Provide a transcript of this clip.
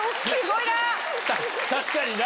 確かにな。